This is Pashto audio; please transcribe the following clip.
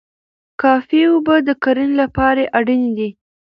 کافي اوبه د کرنې لپاره اړینې دي.